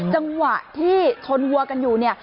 จังหวะที่ชนวัวกันอยู่เนี่ย